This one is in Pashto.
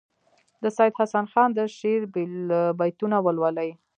د سیدحسن خان د شعر بیتونه ولولي.